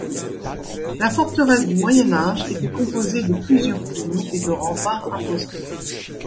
La forteresse du Moyen Âge était composée de plusieurs tours et de remparts imposants.